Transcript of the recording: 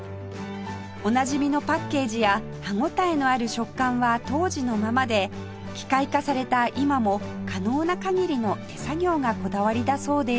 おなじみのパッケージや歯応えのある食感は当時のままで機械化された今も可能な限りの手作業がこだわりだそうです